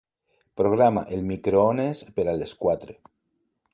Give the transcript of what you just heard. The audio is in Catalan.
Programa el microones per a les quatre.